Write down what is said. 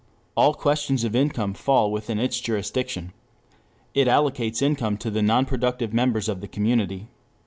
"All questions of income" fall within its jurisdiction. It "allocates" income to the non productive members of the community.